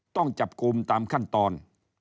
ต้องจับกลุ่มตามขั้นตอน